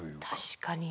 確かに。